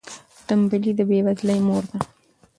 تنبلي د بې وزلۍ مور ده.